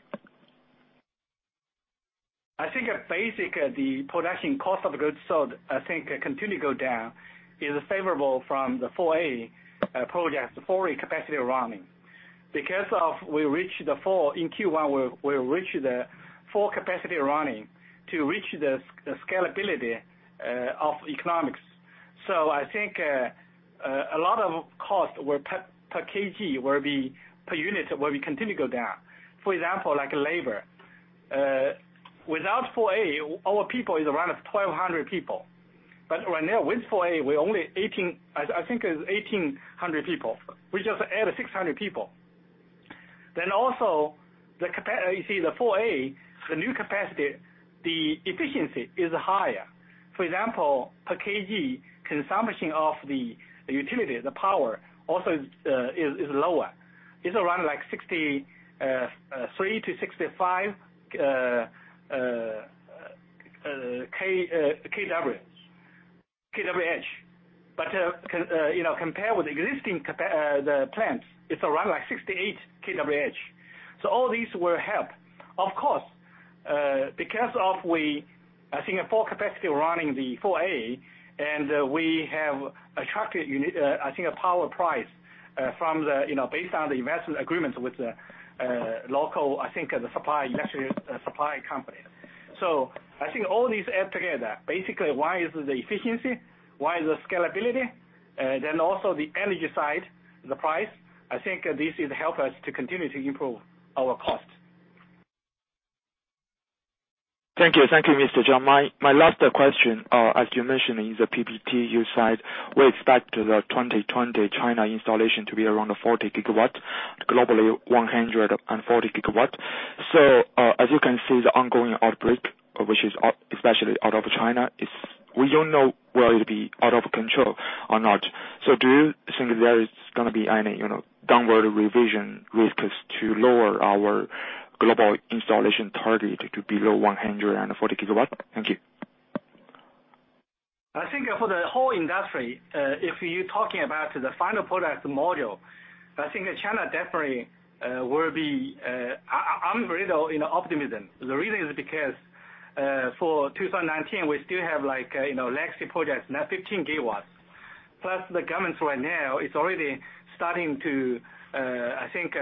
I think at basic, the production cost of goods sold, I think continue go down is favorable from the IV-A project, the IV-A capacity running. In Q1 we reach the full capacity running to reach the scalability of economics. I think a lot of costs per kg will be per unit will be continue go down. For example, like labor. Without IV-A our people is around 1,200 people. Right now, with IV-A we're only 1,800 people. We just add 600 people. Also, you see the IV-A, the new capacity, the efficiency is higher. For example, per kg consumption of the utility, the power also is lower. It's around like 63 to 65 kW, kWh. You know, compare with existing the plants, it's around like 68 kWh. All these will help. Of course, because of we I think at full capacity running the IV-A, we have attracted I think a power price from the, you know, based on the investment agreements with the local, I think, the supply, electricity supply company. I think all these add together. Basically, one is the efficiency, one is the scalability, also the energy side, the price. I think this is help us to continue to improve our cost. Thank you. Thank you, Mr. Zhang. My last question, as you mentioned in the PPT you slide, we expect the 2020 China installation to be around 40 GW, globally 140 GW. As you can see the ongoing outbreak, which is out, especially out of China, We, don't know whether it'll be out of control or not. Do you think there is gonna be any, you know, downward revision risks to lower our global installation target to below 140 GW? Thank you. I think for the whole industry, if you're talking about the final product module, I think that China definitely will be I'm very, you know, optimism. The reason is because, for 2019, we still have like, you know, legacy projects, now 15 GW. The government right now is already starting to, I think,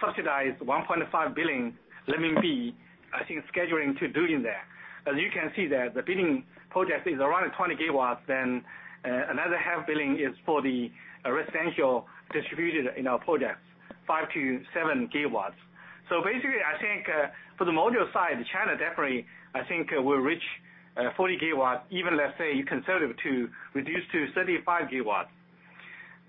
subsidize 1.5 billion, I think scheduling to doing that. As you can see there, the bidding project is around 20 GW, another 500,000 is for the residential distributed in our projects, 5-7 GW. Basically, I think, for the module side, China definitely, I think, will reach 40 GW, even let's say you conservative to reduce to 35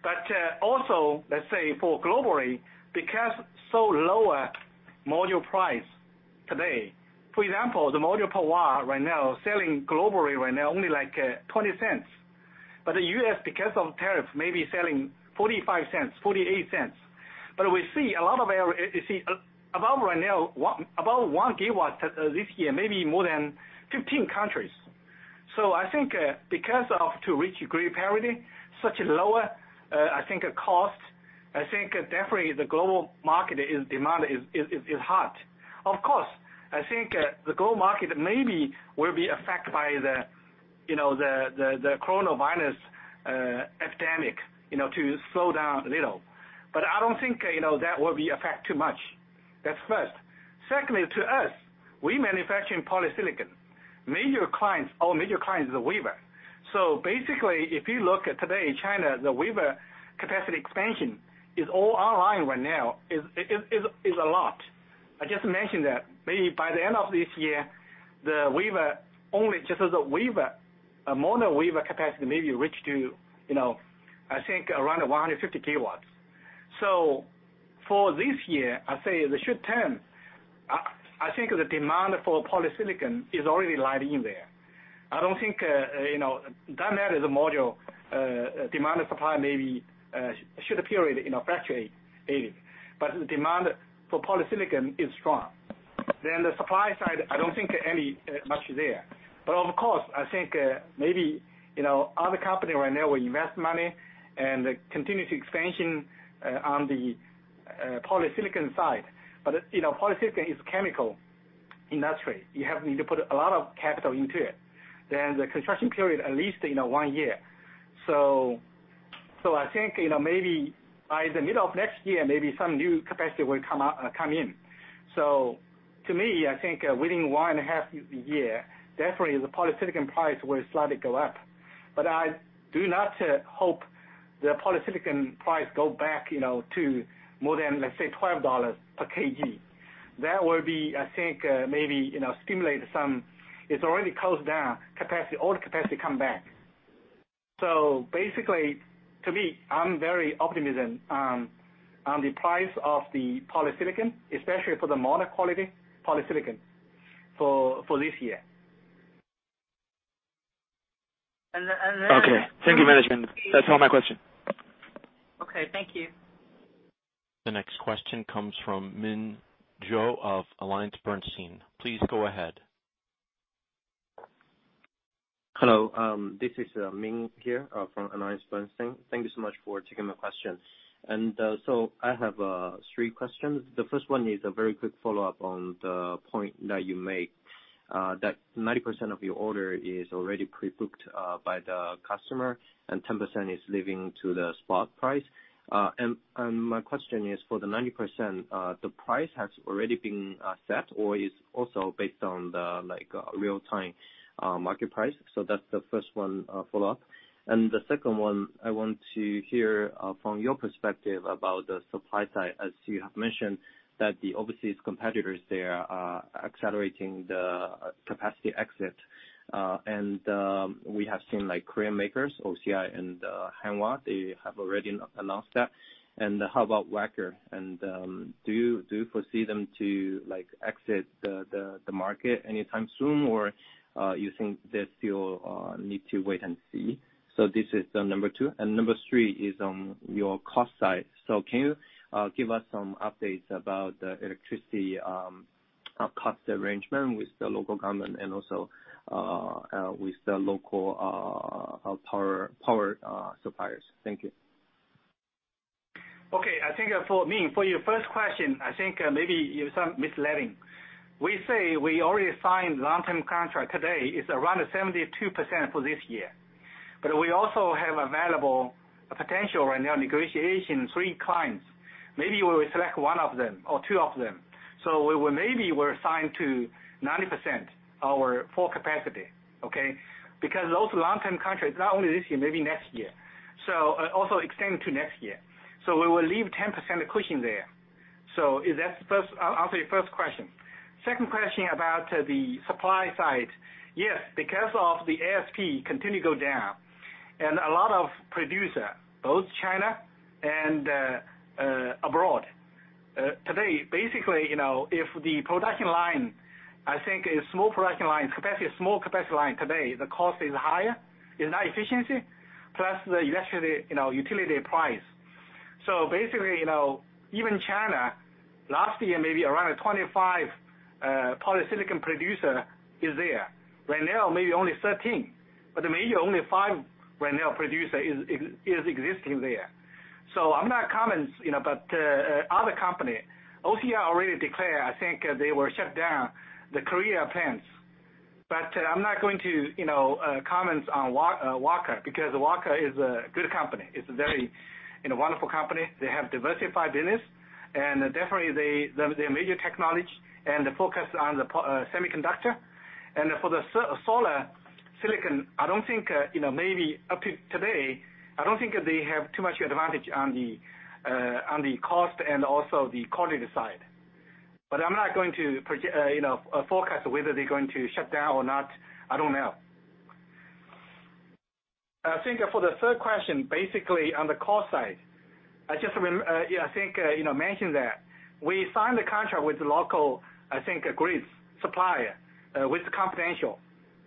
GW. Also, let's say for globally, because so lower module price today. For example, the module per watt selling globally right now only like $0.20. The U.S. because of tariff may be selling $0.45, $0.48. We see a lot of about right now, about 1 GW this year, maybe more than 15 countries. I think, because of to reach grid parity, such a lower, I think, cost, I think, definitely the global market is demand is hot. Of course, I think, the global market maybe will be affect by the, you know, the coronavirus epidemic, you know, to slow down a little. I don't think, you know, that will be affect too much. That's first. Secondly, to us, we manufacturing polysilicon. Our major clients is the wafer. Basically, if you look at today in China, the wafer capacity expansion is all online right now. Is a lot. I just mentioned that maybe by the end of this year, the wafer, only just as a wafer, a mono wafer capacity maybe reaches to, you know, I think around 150 GW. For this year, I say the shift term, I think the demand for polysilicon is already laid in there. I don't think, you know Down there is a module, demand and supply maybe should appear in, you know, fluctuate a bit. The demand for polysilicon is strong. The supply side, I don't think any much there. Of course, I think, maybe, you know, other company right now will invest money and continue to expansion on the polysilicon side. Polysilicon is chemical industry. You have need to put a lot of capital into it. The construction period is at least one year. I think maybe by the middle of next year, maybe some new capacity will come out, come in. To me, I think within one and a half years, definitely the polysilicon price will slightly go up. I do not hope the polysilicon price goes back to more than, let's say, $12 per kg. That will be, I think, maybe stimulate some already closed down capacity, old capacity comes back. To me, I'm very optimistic on the price of the polysilicon, especially for the mono-grade polysilicon for this year. Okay. Thank you very much. That's all my question. Okay. Thank you. The next question comes from Min Zhou of AllianceBernstein. Please go ahead. Hello. This is Min Zhou here from AllianceBernstein. Thank you so much for taking my question. I have three questions. The first one is a very quick follow-up on the point that you made that 90% of your order is already pre-booked by the customer and 10% is leaving to the spot price. My question is for the 90%, the price has already been set or is also based on the real time market price? That's the first one, follow-up. The second one, I want to hear from your perspective about the supply side, as you have mentioned that the overseas competitors there are accelerating the capacity exit. We have seen like Korean makers, OCI and Hanwha, they have already announced that. How about Wacker? Do you foresee them to, like, exit the market anytime soon, or you think they still need to wait and see? This is number two. Number three is on your cost side. Can you give us some updates about the electricity cost arrangement with the local government and also with the local power suppliers. Thank you. Okay. I think for me, for your first question, I think maybe you're some misleading. We say we already signed long-term contract today is around 72% for this year. We also have available a potential right now negotiation three clients. Maybe we will select one of them or two of them. We will maybe we're assigned to 90% our full capacity. Okay? Those long-term contracts, not only this year, maybe next year. Also extend to next year. We will leave 10% cushion there. Is that first I'll answer your first question. Second question about the supply side. Yes, because of the ASP continue to go down, and a lot of producers, both China and abroad today, basically, you know, if the production line, I think a small production line, capacity, a small capacity line today, the cost is higher, it's not efficiency, plus the electricity, you know, utility price. Basically, you know, even China last year, maybe around 25 polysilicon producer is there. Right now, maybe only 13, but maybe only five right now producer is existing there. I'm not comments, you know, but other company, OCI already declare, I think they will shut down the Korea plants. I'm not going to, you know, comment on Wacker because Wacker is a good company. It's a very, you know, wonderful company. They have diversified business and definitely they, their major technology, and the focus on the semiconductor. For the solar silicon, I don't think, you know, maybe up to today, I don't think they have too much advantage on the cost and also the quality side. I'm not going to forecast whether they're going to shut down or not. I don't know. I think for the third question, basically on the cost side, I just, yeah, I think, you know, mention that we signed the contract with the local, I think, grid supplier, which is confidential.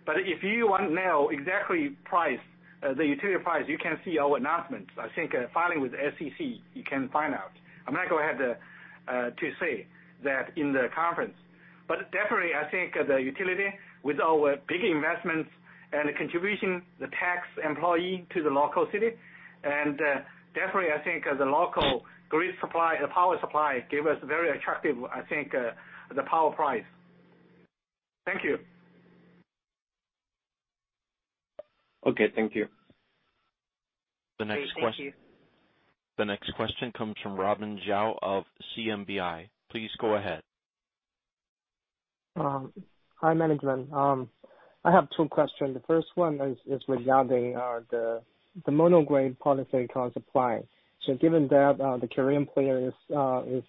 If you want to know exactly price, the utility price, you can see our announcements. I think, filing with SEC, you can find out. I'm not gonna have the to say that in the conference. Definitely, I think the utility with our big investments and the contribution, the tax employee to the local city, and definitely, I think the local grid supply, the power supply gave us very attractive, I think, the power price. Thank you. Okay. Thank you. The next question. Okay. Thank you. The next question comes from Robin Xiao of CMBI. Please go ahead. Hi, management. I have two questions. The first one is regarding the mono-grade polysilicon supply. Given that the Korean player is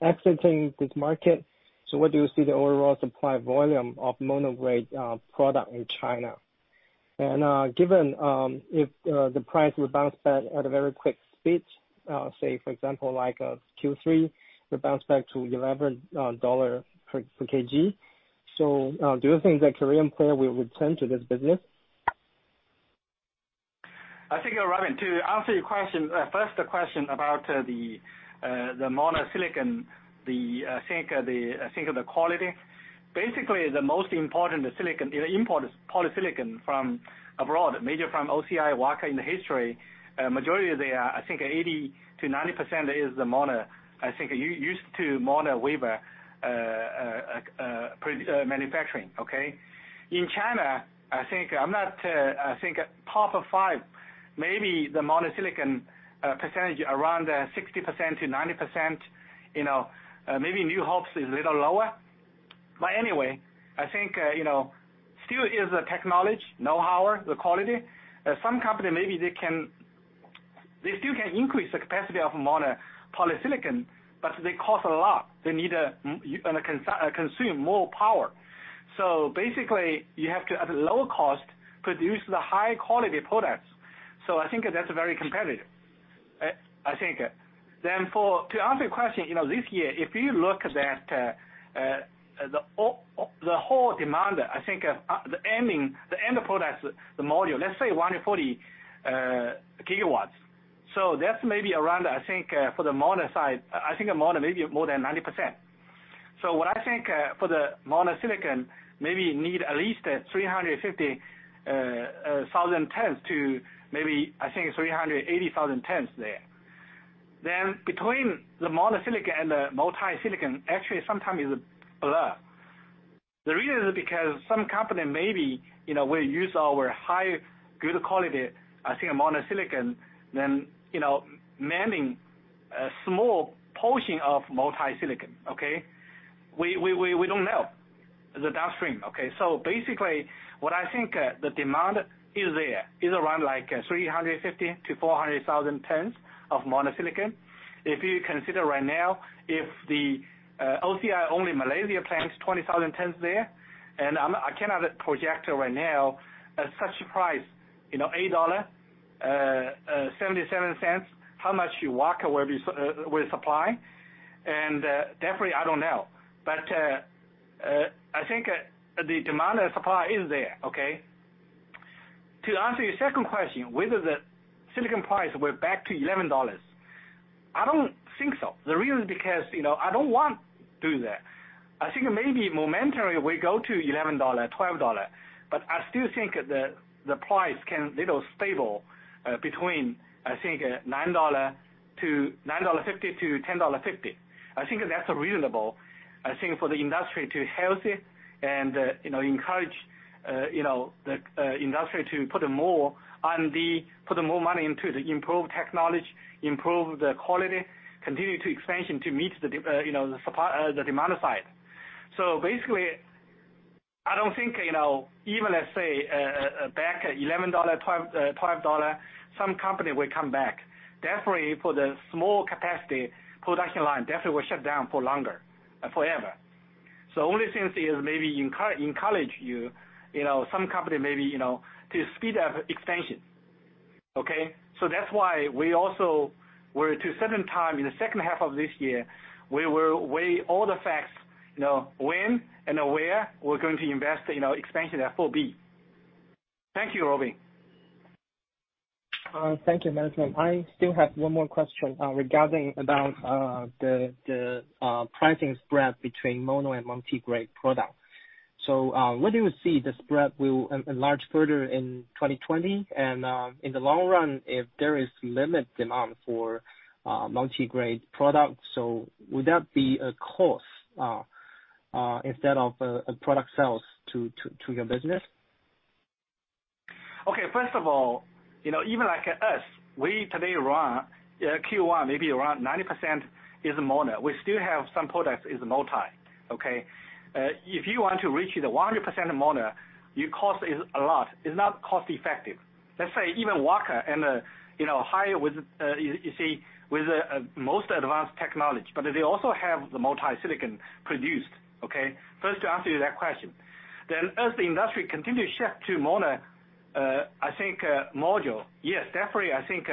exiting this market, where do you see the overall supply volume of mono-grade product in China? Given if the price will bounce back at a very quick speed, say for example, like Q3 will bounce back to $11 per kg. Do you think the Korean player will return to this business? I think, Robin, to answer your question, first the question about the mono silicon, I think the quality. Basically, the most important silicon import is polysilicon from abroad, major from OCI, Wacker in the history. Majority of they are, I think 80%-90% is the mono. I think used to mono wafer manufacturing, okay? In China, I think I'm not top of five, maybe the mono silicon percentage around 60%-90%, you know, maybe New Hope is a little lower. Anyway, I think, you know, still is a technology know-how, the quality. Some company, maybe They still can increase the capacity of mono polysilicon, but they cost a lot. They need and consume more power. You have to, at a lower cost, produce the high-quality products. I think that's very competitive. I think. To answer your question, you know, this year, if you look at the whole demand, I think, the ending, the end products, the module, let's say 140 GW. That's maybe around, I think, for the mono side, I think mono maybe more than 90%. I think for the mono silicon, maybe need at least 350,000 tons to maybe, I think 380,000 tons there. Between the mono silicon and the multi-silicon, actually sometimes is blurred. The reason is because some company maybe, you know, will use our high good quality, I think mono silicon, then, you know, mixing a small portion of multi-silicon, okay? We don't know the downstream, okay? Basically, what I think, the demand is there, is around like 350,000-400,000 tons of mono silicon. If you consider right now, if the OCI only Malaysia plant, 20,000 tons there, I cannot project right now at such price, you know, $8.77, how much Wacker will supply. Definitely, I don't know. I think the demand and supply are there, okay? To answer your second question, whether the silicon price will go back to $11, I don't think so. The reason is because, you know, I don't want do that. I think maybe momentarily we go to $11, $12, I still think the price can little stable, between, I think, $9 to $9.50 to $10.50. I think that's reasonable, I think, for the industry to healthy and, you know, encourage, you know, the industry to put more R&D, put more money into the improve technology, improve the quality, continue to expansion to meet, you know, the demand side. Basically, I don't think, you know, even let's say, back at $11, $12, some company will come back. Definitely for the small capacity production line, definitely will shut down for longer, forever. Only thing is maybe encourage you know, some company maybe, you know, to speed up expansion. Okay. That's why we also were to certain time in the second half of this year, we will weigh all the facts, you know, when and where we're going to invest, you know, expansion at full beat. Thank you, Robin. Thank you, Longgen. I still have one more question regarding about the pricing spread between mono and multi-grade product. Whether you see the spread will enlarge further in 2020, and in the long run, if there is limit demand for multi-grade products, would that be a cost instead of a product sale to your business? Okay, first of all, you know, even like us, we today run Q1, maybe around 90% is mono. We still have some products is multi. Okay. If you want to reach the 100% mono, your cost is a lot. It's not cost-effective. Let's say even Wacker and higher with, you see, with most advanced technology, but they also have the multi-silicon produced. Okay. First to answer you that question. As the industry continues shift to mono, I think module, yes, definitely I think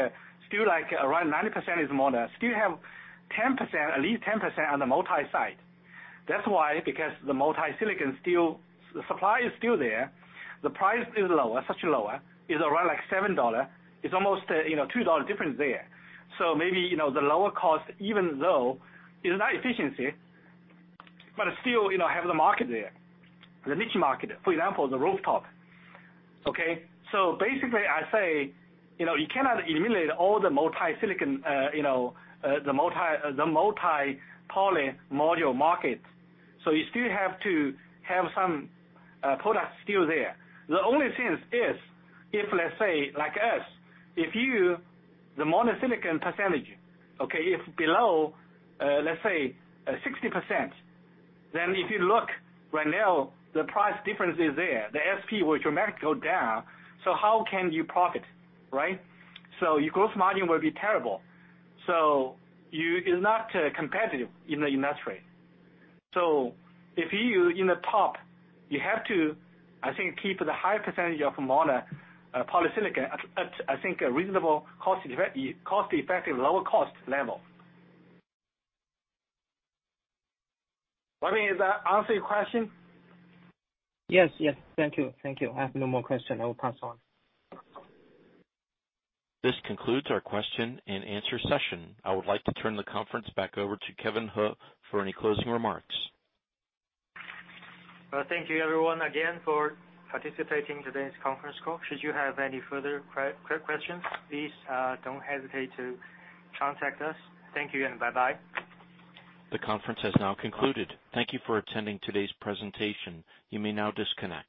still like around 90% is mono. Still have 10%, at least 10% on the multi side. That's why because the multi-silicon, the supply is still there. The price is lower, such lower, is around like $7. It's almost, you know, $2 difference there. Maybe, you know, the lower cost, even though is not efficiency, but still, you know, have the market there, the niche market, for example, the rooftop. Okay. Basically, I say, you know, you cannot eliminate all the multi-crystalline module market. You still have to have some products still there. The only thing is, if let's say like us, if you the mono polysilicon percentage, okay, if below, let's say, 60%, then if you look right now, the price difference is there. The ASP will dramatically go down, how can you profit? Right. Your gross margin will be terrible. You. It's not competitive in the industry. If you in the top, you have to, I think, keep the high percentage of mono polysilicon at, I think a reasonable cost-effective, lower cost level. Robin, does that answer your question? Yes. Yes. Thank you. Thank you. I have no more question. I will pass on. This concludes our question-and-answer session. I would like to turn the conference back over to Kevin He for any closing remarks. Well, thank you everyone again for participating in today's conference call. Should you have any further questions, please don't hesitate to contact us. Thank you and bye-bye. The conference has now concluded. Thank you for attending today's presentation. You may now disconnect.